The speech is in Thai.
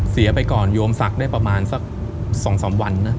ไปก่อนโยมศักดิ์ได้ประมาณสัก๒๓วันนะ